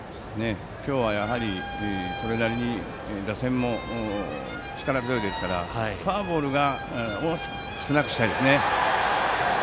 今日は打線も力強いですからフォアボールを少なくしたいです。